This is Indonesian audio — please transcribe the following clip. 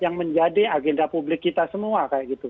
yang menjadi agenda publik kita semua kayak gitu